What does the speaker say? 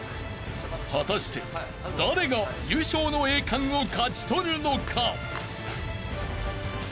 ［果たして誰が優勝の栄冠を勝ち取るのか？］